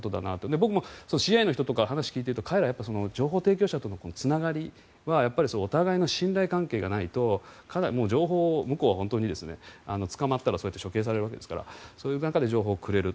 僕もＣＩＡの人から話を聞いていると彼らは情報提供者とのつながりはお互いの信頼関係がないと向こうは捕まったら処刑されるわけですからそういう中で情報をくれると。